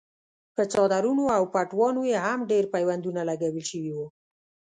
په څادرونو او پټوانو یې هم ډېر پیوندونه لګول شوي وو.